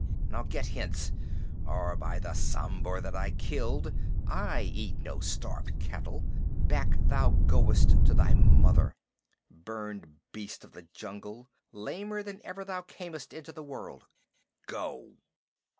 Now get hence, or by the Sambhur that I killed (I eat no starved cattle), back thou goest to thy mother, burned beast of the jungle, lamer than ever thou camest into the world! Go!"